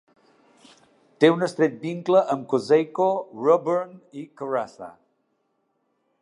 Té un estret vincle amb Cosaco, Roebourne i Karratha.